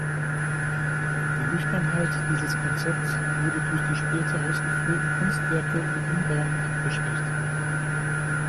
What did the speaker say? Die Nüchternheit dieses Konzepts wurde durch die später ausgeführten Kunstwerke und Umbauten abgeschwächt.